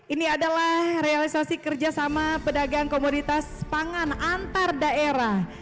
ini adalah realisasi kerjasama pedagang komoditas pangan antar daerah